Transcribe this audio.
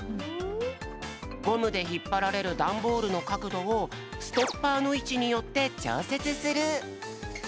ゴムでひっぱられるダンボールのかくどをストッパーのいちによってちょうせつする。